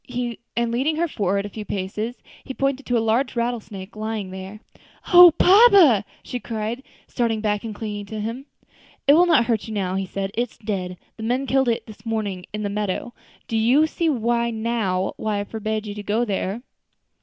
And leading her forward a few paces, he pointed to a large rattlesnake lying there. "O papa!" she cried, starting back and clinging to him. "It will not hurt you now" he said; "it is dead; the men killed it this morning in the meadow. Do you see now why I forbade you to go there?"